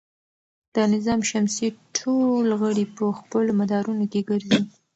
د نظام شمسي ټول غړي په خپلو مدارونو کې ګرځي.